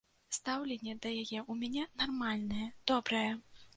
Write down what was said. Стаўленне да яе ў мяне нармальнае, добрае.